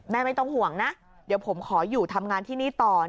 ไม่ต้องห่วงนะเดี๋ยวผมขออยู่ทำงานที่นี่ต่อ